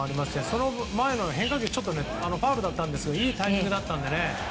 その前変化球もファウルだったんですがいいタイミングだったので。